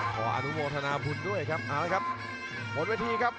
ขออนุโมทนาพุทธ์ด้วยครับหมดเวทีครับ